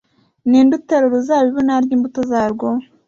Ni nde utera uruzabibu ntarye imbuto zarwo?